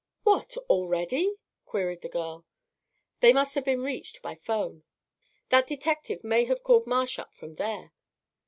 "What! already?" queried the girl. "They must have been reached by 'phone." "That detective may have called Marsh up from there."